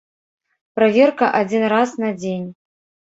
Праверка адзін раз на дзень.